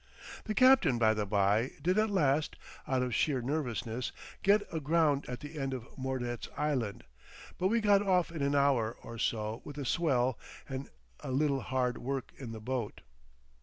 (The captain, by the by, did at last, out of sheer nervousness, get aground at the end of Mordet's Island, but we got off in an hour or so with a swell and a little hard work in the boat.)